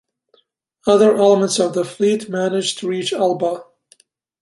Other elements of the fleet managed to reach Elba.